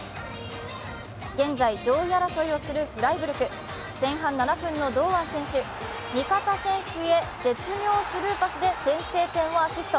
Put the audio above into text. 現在、上位争いをするフライブルク前半７分の堂安選手味方選手へ絶妙スルーパスで先制点をアシスト。